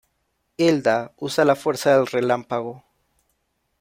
Hilda usa la Fuerza del Relámpago.